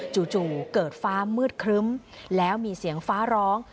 จู่เกิดฟ้ามืดครึ้มแล้วมีเสียงฟ้าร้อง